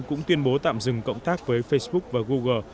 cũng tuyên bố tạm dừng cộng tác với facebook và google